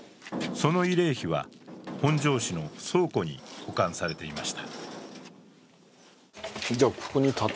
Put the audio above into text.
その慰霊碑は本庄市の倉庫に保管されていました。